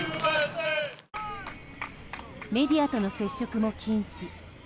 メディアとの接触も禁止。